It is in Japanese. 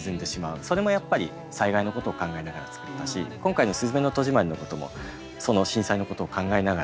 それもやっぱり災害のことを考えながら作ったし今回の「すずめの戸締まり」のこともその震災のことを考えながら作りました。